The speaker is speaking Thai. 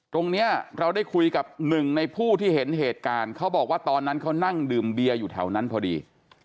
ตรงนี้เราได้คุยกับหนึ่งในผู้ที่เห็นเหตุการณ์เขาบอกว่าตอนนั้นเขานั่งดื่มเบียร์อยู่แถวนั้นพอดี